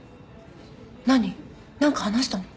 何何か話したの？